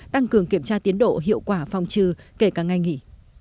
tăng cường kiểm tra tiến độ hiệu quả phòng trừ kể cả ngày nghỉ